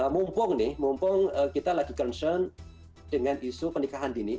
mumpung kita lagi concern dengan isu pernikahan dini